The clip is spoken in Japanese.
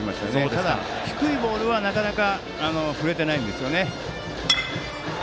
ただ、低いボールはなかなか振れてないですよね。